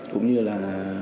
cũng như là